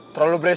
tapi behar saya